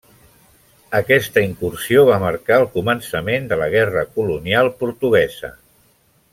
Aquesta incursió va marcar el començament de la Guerra colonial portuguesa.